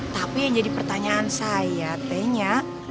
tapi yang jadi pertanyaan saya tanya